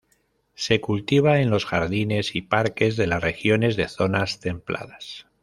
Se cultiva en los jardines y parques de las regiones de zonas templadas.